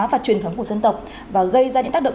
và truyền thống của dân tộc và gây ra những tác động